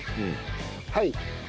はい！